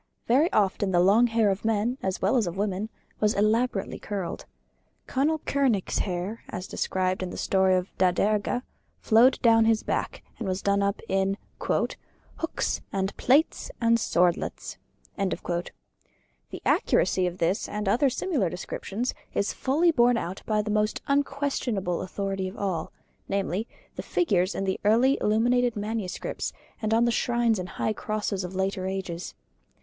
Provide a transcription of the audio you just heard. Very often the long hair of men, as well as of women, was elaborately curled. Conall Kernach's hair, as described in the story of Da Derga, flowed down his back, and was done up in "hooks and plaits and swordlets." The accuracy of this and other similar descriptions is fully borne out by the most unquestionable authority of all, namely, the figures in the early illuminated manuscripts and on the shrines and high crosses of later ages.